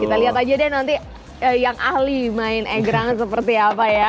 kita lihat aja deh nanti yang ahli main egrang seperti apa ya